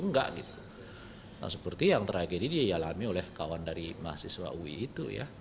nah seperti yang terakhir ini dialami oleh kawan dari mahasiswa ui itu